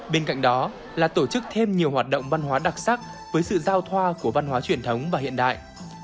bên cạnh đó là tổ chức thêm nhiều hoạt động văn hóa đặc sắc với sự giao thoa của văn hóa truyền thống và hiện đại